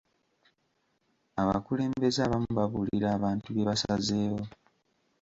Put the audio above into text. Abakulembeze abamu babuulira abantu bye basazeewo.